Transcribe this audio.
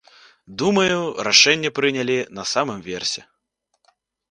Думаю, рашэнне прынялі на самым версе.